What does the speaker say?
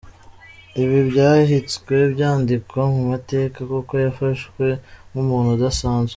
Ibi byahitswe byandikwa mumateka kuko yafashwe nk’umuntu udasanzwe.